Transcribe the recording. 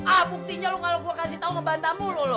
ah buktinya lu kalau gue kasih tahu ngebantamu lu lu